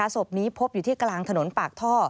ศพนี้พบอยู่ที่กลางถนนปากท่อ